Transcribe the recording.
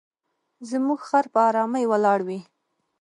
زموږ خر په آرامۍ ولاړ وي.